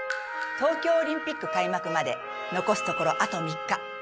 東京オリンピック開幕まで残すところあと３日。